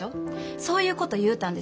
そういうこと言うたんですよ